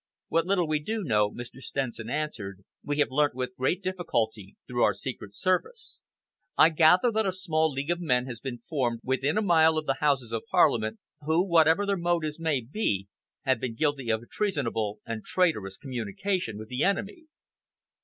"What little we do know," Mr. Stenson answered, "we have learnt with great difficulty through our secret service. I gather that a small league of men has been formed within a mile of the Houses of Parliament, who, whatever their motives may be, have been guilty of treasonable and traitorous communication with the enemy."